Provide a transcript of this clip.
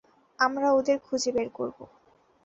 আমরা ওদের খুঁজে বের করব।